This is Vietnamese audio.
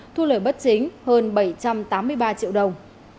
thu lời bất chính hơn bảy trăm tám mươi ba triệu đồng